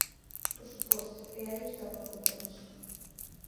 Por suposto, e aí está o meu compromiso.